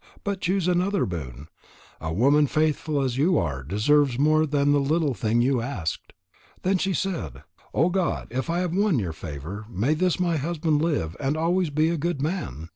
But choose another boon. A woman faithful as you are deserves more than the little thing you asked." Then she said: "O god, if I have won your favour, may this my husband live and always be a good man."